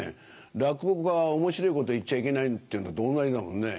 落語家が面白いこと言っちゃいけないっていうのと同じだもんね。